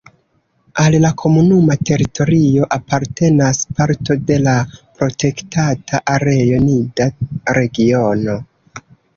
Al la komunuma teritorio apartenas parto de la protektata areo Nida-Regiono.